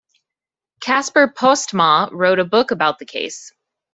Casper Postmaa wrote a book about the case.